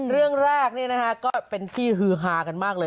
เรื่องแรกก็เป็นที่ฮือฮากันมากเลย